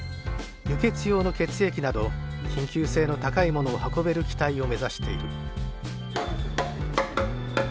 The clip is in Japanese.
輸血用の血液など緊急性の高いものを運べる機体を目指している。